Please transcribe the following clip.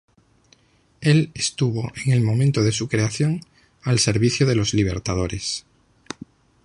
Él estuvo, en el momento de su creación, al servicio de los Libertadores.